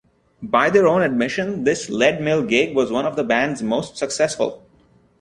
By their own admission this Leadmill gig was one of the band's most successful.